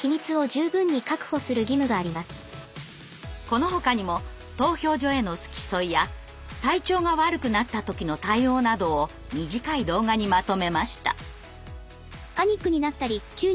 このほかにも投票所への付き添いや体調が悪くなった時の対応などを短い動画にまとめました。